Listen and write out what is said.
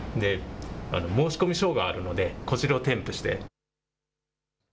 申込書があるので、こちらを添付して。